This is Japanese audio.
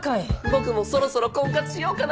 僕もそろそろ婚活しようかな。